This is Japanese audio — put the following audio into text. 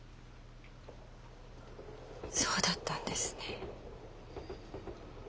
そうだったんですね。